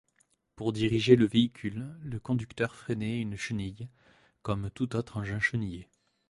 Pour diriger le véhicule, le conducteur freinait une chenille, comme tout autre engin chenillé.